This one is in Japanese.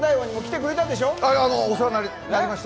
お世話になりました。